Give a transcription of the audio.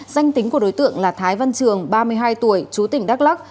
danh tính của đối tượng là thái văn trường ba mươi hai tuổi chú tỉnh đắk lắc